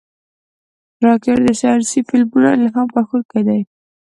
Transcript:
راکټ د ساینسي فلمونو الهام بښونکی دی